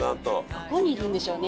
どこにいるんでしょうね？